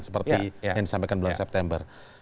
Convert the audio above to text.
seperti yang disampaikan bulan september